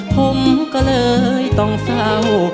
ผมก็เลยต้องเศร้า